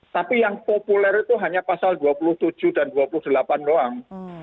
tapi yang populer itu hanya pasal dua puluh tujuh dan dua puluh delapan doang